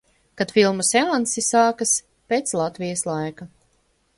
Kad filmu seansi sākas pēc Latvijas laika.